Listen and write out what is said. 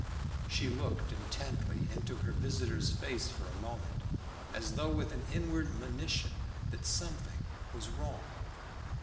She looked intently into her visitor's face for a moment, as though with an inward monition that something was wrong.